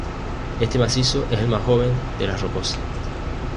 Este macizo es el más joven de las Rocosas.